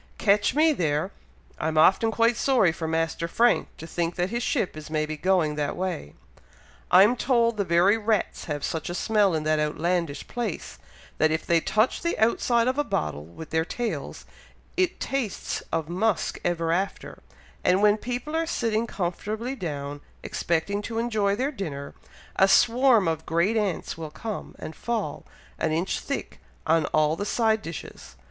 Catch me there! I'm often quite sorry for Master Frank, to think that his ship is maybe going that way! I'm told the very rats have such a smell in that outlandish place, that if they touch the outside of a bottle with their tails, it tastes of musk ever after; and when people are sitting comfortably down, expecting to enjoy their dinner, a swarm of great ants will come, and fall, an inch thick, on all the side dishes.